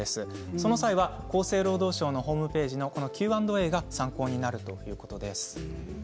その際は、厚生労働省のホームページのＱ＆Ａが参考になるということです。